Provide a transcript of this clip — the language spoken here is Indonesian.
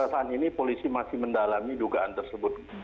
saat ini polisi masih mendalami dugaan tersebut